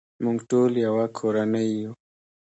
موږ ټول یو کورنۍ یو.